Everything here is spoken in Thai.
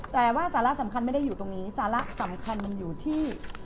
แต่ว่าสาระสำคัญไม่ได้อยู่ตรงนี้สาระสำคัญมันอยู่ที่